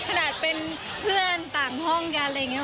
ขนาดเป็นเพื่อนต่างห้องกันอะไรอย่างนี้